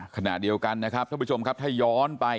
ขณะเดียวกันนะครับถ้าย้อนไป